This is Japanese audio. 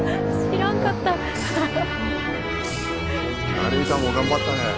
ナレーターも頑張ったね。